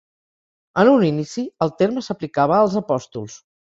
En un inici, el terme s'aplicava als Apòstols.